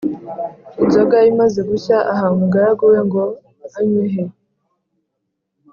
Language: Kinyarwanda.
Inzoga imaze gushya aha umugaragu we ngo anywehe